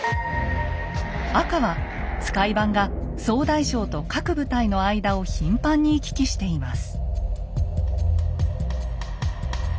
赤は使番が総大将と各部隊の間を頻繁に行き来しています。